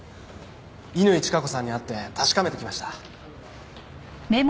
乾チカ子さんに会って確かめてきました。